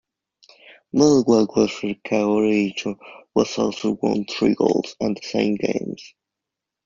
Middleweight wrestler Kaori Icho has also won three golds, at the same games.